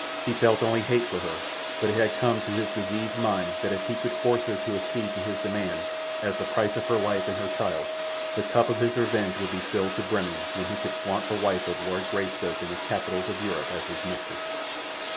He felt only hate for her, but it had come to his diseased mind that if he could force her to accede to his demands as the price of her life and her child's, the cup of his revenge would be filled to brimming when he could flaunt the wife of Lord Greystoke in the capitals of Europe as his mistress.